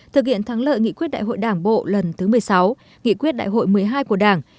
thực hiện thắng lợi nghị quyết đại hội đảng bộ lần thứ một mươi sáu nghị quyết đại hội một mươi hai của đảng